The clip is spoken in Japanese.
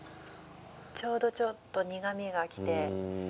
ちょうどちょっと苦味がきて。